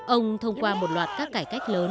ông thông qua một loạt các cải thiện của tần thủy hoàng